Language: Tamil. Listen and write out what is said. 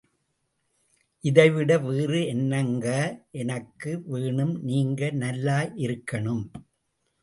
இதைவிட வேறு என்னங்க எனக்கு வேணும் நீங்க நல்லாயிருக்கனும்!